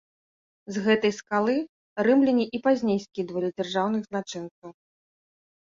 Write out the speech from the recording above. З гэтай скалы рымляне і пазней скідвалі дзяржаўных злачынцаў.